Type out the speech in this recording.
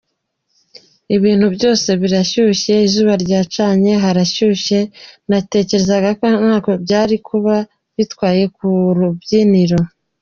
Ibintu byose birashyushye, izuba ryacanye, harashyushye, natekerezaga ko ntacyo byari kuba bitwaye ku rubyiniro.